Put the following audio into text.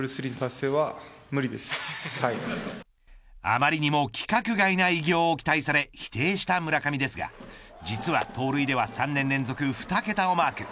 あまりにも規格外な偉業を期待され否定した村上ですが実は盗塁では３年連続２桁をマーク。